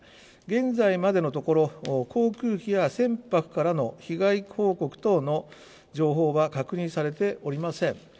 現在までのところ、航空機や船舶からの被害報告等の情報は確認されておりません。